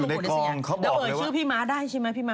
แต่เมื่อวานชื่อพี่มาได้ใช่ไหม